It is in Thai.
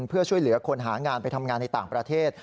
เพื่อช่วยเหลือคนหางานไปทำงานในต่างประเทศ